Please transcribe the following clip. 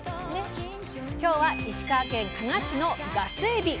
今日は石川県加賀市の「ガスエビ」。